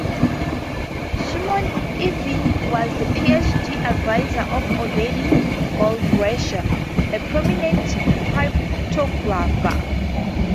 Shimon Even was the PhD advisor of Oded Goldreich, a prominent cryptographer.